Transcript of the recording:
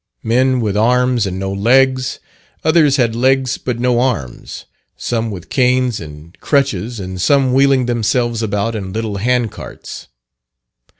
Men with arms and no legs; others had legs but no arms; some with canes and crutches, and some wheeling themselves about in little hand carts.